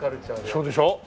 そうでしょ？